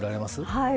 はい。